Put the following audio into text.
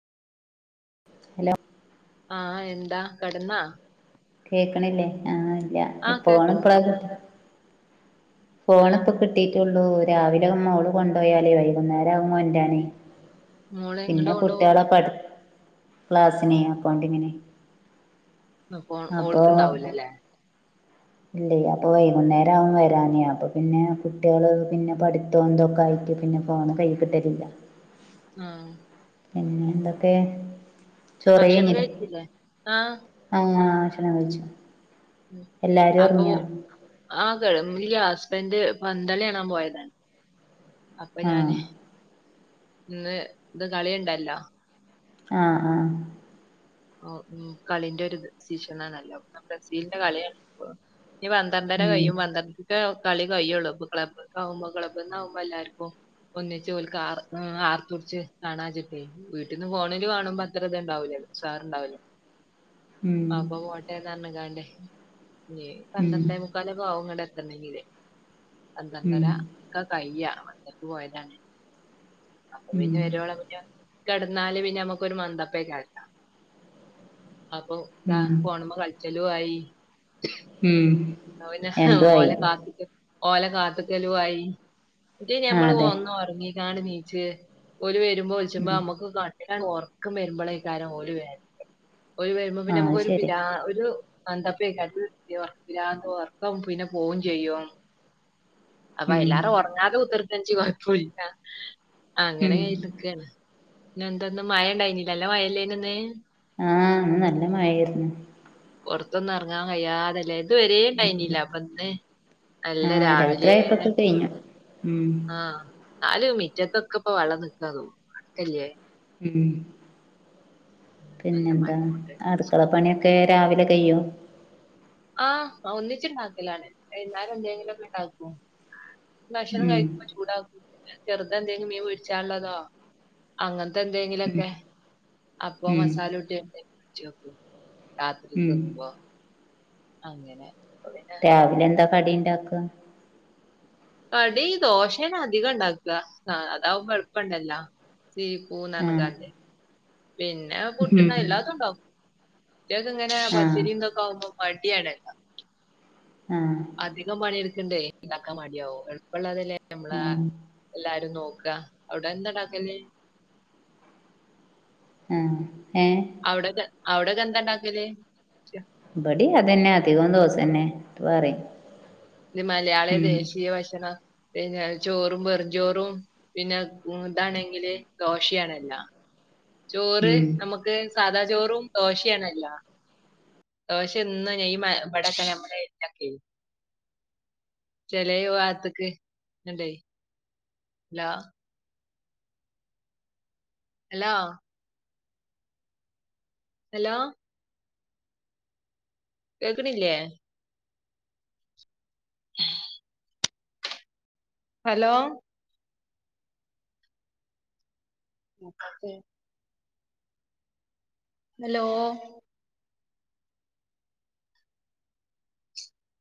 hello ആ എന്താ കടന്നോ കേൾക്കണില്ലേ ആഹ് ഇല്ല ആഹ് പോണ് കേക്ക്ണ്ട് ഇപ്പഴാ കു ഫോണ് ഏഹ് ഇപ്പ കിട്ടിട്ട് ഒള്ളൂ രാവിലെ മോള് കൊണ്ടുപോയാലേ വൈകുന്നേരം ആവും കേണ്ടരാന് മോളെ എങ്ങട്ടാ പിന്നെ കൊണ്ടോവാ കുട്ടികളെ പഠ ക്ലാസിനെ അക്കൗണ്ടിങ്ങിന് അപ്പൊ ഇല്ലേയ് അപ്പോ വൈകുന്നേരം ആകും വരാനെയ് അപ്പൊ പിന്നെ കുട്ടികള് പിന്നെ പഠിത്തോ ഇന്തൊക്കെ ആയിട്ട് പിന്നെ ഫോൺ കൈയിൽ കിട്ടലില്ല ഉം പിന്നെ എന്തൊക്കെ ഭക്ഷണം കഴിച്ചില്ലേ ആഹ് ആ അക്ഷണം കഴിച്ചു ഉം എല്ലാരും അപ്പൊ ഉറങ്ങിയോ ആ ഹസ്ബൻഡ് പന്ത് കളി കാണാൻ പോയതാണ് അപ്പൊ ആഹ് ഞാന് ഇന്ന് ഇത് കളിയുണ്ടല്ലോ ആഹ് ആഹ് ഉം കളിന്റെ ഒരു ശീഷണണല്ലേ നല്ല ബ്രസീലിന്റെ കളിയണ് ഇപ്പെ ഇഞ് വന്ന പന്ത്രണ്ടര ഉം കഴിയും പന്ത്രണ്ടൊക്ക കളി കിയുള്ളൂ അപ്പോ ക്ലബ്ബ് ആകുമ്പോൾ ക്ലബ്ബ് ആകുമ്പോൾ എല്ലാവർക്കും ഒന്നച്ച് ഓൽക്ക് ആ ആർത്ത് പുടിച്ച് കാണാ വെച്ചിട്ട് വീട്ടിന്ന് ഫേണില് കാണുമ്പോ അത്ര അത് ഉണ്ടാവില്ലല്ലോ ഉസാറണ്ടാവില്ലേ ഉം അപ്പൊ പോട്ടെ എന്ന് പറഞ് കാണ്ട് ഇഞ് ഉം പന്ത്രണ്ടേ മുക്കാല് ഒക്കെ ആവും ഇങ്ങട്ട് എത്തണെങ്കില് പന്ത്രണ്ടര ഉം ക്ക കയ്യാ പത്തരക്ക് പോയതാണ് അപ്പൊ ഉം പിന്നെ വരോളം പറ്റോ കിടന്നാല് പിന്നെ നമുക്കൊ ഒരു മന്തപ്പേയ്ക്കാരം അല്ലേ അപ്പൊ ഇന്താ ഉം പോണമ്മെ കളിച്ചലും ആയി ഉം പിന്നെ രണ്ടു ആയി ഓല കാത്തക്കലും ഓല കാത്തക്കലായി മറ്റേ ആ ഞമ്മള് അതെ ഒന്നും ഒറങ്ങിക്കാണ്ട് നീച്ച് ഓല് വരുമ്പോ വിളിച്ച്പോ നമ്മുക്ക് കാ ഉറക്കം വരുമ്പോളേക്കാരം ഓലി വേ ഓല വരുമ്പോ ആ പിന്നെ അത് നമുക്കൊ ഒരു ശരി പിരാന്ത് ഒരു മന്ദപ്പയ്കാരം ഒർക്ക് പിരാന്ത് ഒർക്കം പിന്നെ പോകും ചെയ്യും അപ്പൊ എല്ലാവാരും ഉറങ്ങാതെ കുത്തർത്തനിച്ച് കൊഴപ്പില്ല അങ്ങനെ കയി ക്കാണ് പിന്ന എന്ത ഇന്ന് മഴ ഇണ്ടായിനി ല്ലേ അല്ല മഴല്ലേനെഇന്ന് ആഹ് ന്ന് നല്ല മഴായിരുന്നു പുറത്തൊന്നും എറങ്ങാൻ കയ്യാതല്ലേ ഇത് വരെ ണ്ടായിനില്ല അപ്പൊ ന്ന് നല്ല ആ രാവിലെ രാത്രിയായപ്പൊക്കെ കഴിഞ്ഞു ഉം ആഹ് നാല് മിറ്റത്തൊക്ക ഇപ്പം വെള്ളം നിക്കാ തോന്ന് അടക്കെല്ലേ ഉം ഉം, നല്ല പിന്നെന്താ മരം കൊണ്ട് അടുക്കള പണിയൊ ക്കൊ രാവിലെ കയ്യോ ആഹ് ഒന്നിച്ചു ണ്ടാക്കലാണ് വൈന്നാരം എന്തെങ്കിലും ഒക്കെ ണ്ടാക്കും ഭക്ഷണം ഉം കഴിക്കുമ്പ ചൂടാക്കും ചെറുത എന്തെങ്കിലും മീൻ പെരിച്ചാള്ള തോ അങ്ങന് ത്തെ ഉം എന്തെങ്കിലൊക്കെ അപ്പൊ ഉം മസാല കൂട്ടിയാണ്ട് ഫ്രിഡ്ജ് വെക്കും രാത്രി ഉം തിന്നുമ്പോ അങ്ങനെ അപ്പം പിന്നെ രാവിലെ എന്താ കടി ണ്ടാക്ക കടി ദോശേണ് അധികം ഇണ്ടാക്കാ അതാവുമ്പം എൾപ്പണ്ടല്ലോ സീ പൂ നർ ആ ഞ്ഞ്കാണ്ടെ പിന്നെ ഉം പുട്ട്ണ്ടാ എല്ലാത്തും ഉണ്ടാവും ചെൽത് ഇങ്ങനെ ആ പച്ചരിന്തൊ ക്കെ ആവുമ്പോ മടിയാണല്ലോ ആഹ് അധികം പണിയെടുക്കണ്ടേ ഇണ്ടാക്കാൻ മടിയാവോ എള്പ്പള്ളതല്ലേ നമ്മളാ ആ എല്ലാരും നോക്കാ അവിടെ എന്താണ്ടാക്കല് ആഹ് ഏഹ് അവിടെ അവിടെക്കെ എന്താണ്ടാക്കല് ഇബടി അതെന്നെ അധികം ദോസന്നെ പറിം ഇത് മലയാളി ദേശീയ ഭക്ഷണം പിന്നെ ചോറും വെറുംചോറും പിന്നെ ഇതാണെങ്കില് ദോശയാണല്ല ചോറ് ഉം നമു ക്ക് സാദാ ചോറും ദോശയാണല്ല ദേശ എന്നും ഈ മ ഇമ്പടെക്കെ നമ്മുടെ [unintelligible] ചെലോ ഭാഗത്ത് ക്ക് ണ്ടേ ഹലോ ഹലോ ഹലോ കേക്ക്ണില്ലേ ഉ ഹലോ മുക്കാത്തെ ഹലോ